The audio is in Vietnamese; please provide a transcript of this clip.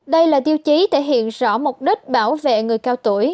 đây là tiêu chí thể hiện rõ mục đích bảo vệ người cao tuổi